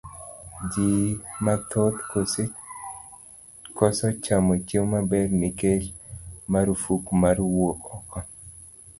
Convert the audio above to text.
Ji mathoth koso chamo chiemo maber nikech marufuk mar wuok oko.